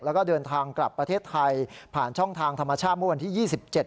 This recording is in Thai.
แล้วก็เดินทางกลับประเทศไทยผ่านช่องทางธรรมชาติเมื่อวันที่๒๗